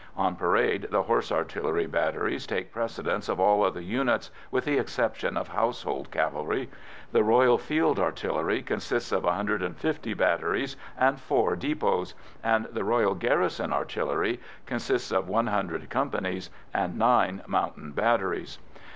On parade the Horse Artillery batteries take precedence of all other units, with the exception of Household Cavalry. The Royal Field Artillery consists of 150 batteries and four depots, and the Royal Garrison Artillery consists of 100 companies and nine mountain batteries.